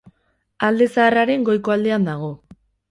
Alde Zaharraren goiko aldean dago.